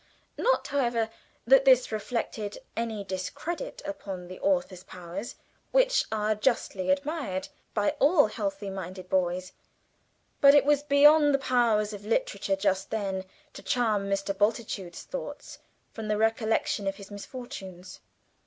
Not, however, that this reflected any discredit upon the author's powers, which are justly admired by all healthy minded boys; but it was beyond the power of literature just then to charm Mr. Bultitude's thoughts from the recollection of his misfortunes.